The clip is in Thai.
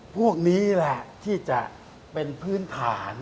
พวกนี้แหละที่จะเป็นพื้นฐาน